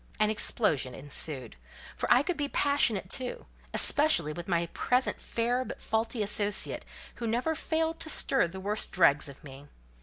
An explosion ensued: for I could be passionate, too; especially with my present fair but faulty associate, who never failed to stir the worst dregs of me.